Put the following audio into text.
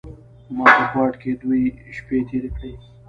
ما په کوهاټ کې دوې شپې تېرې کړې.